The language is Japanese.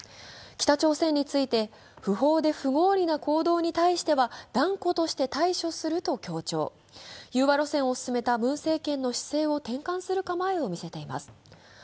北朝鮮について不法で不合理な行動に対しては断固として対処すると強調融和路線を進めたムン政権の姿勢を転換する構えを見せています。